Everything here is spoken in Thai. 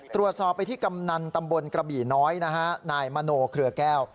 ตรวจสอบไปที่กำนันตำบลกระบี่น้อยนะฮะนายมโนเครือแก้ว